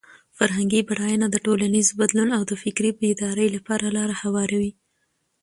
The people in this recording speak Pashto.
فرهنګي بډاینه د ټولنیز بدلون او د فکري بیدارۍ لپاره لاره هواروي.